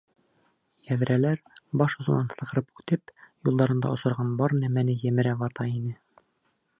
Йәҙрәләр, баш осонан һыҙғырып үтеп, юлдарында осраған бар нәмәне емерә-вата ине.